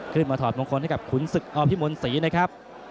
ขึ้นมาถอดมงคลให้กับขุนศึกอพิมนศ์ศรีนะครับ